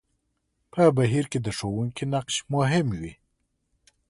په بهير کې د ښوونکي نقش مهم وي.